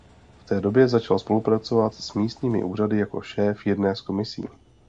V té době začal spolupracovat s místními úřady jako šéf jedné z komisí.